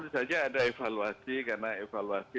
tentu saja ada evaluasi karena evaluasi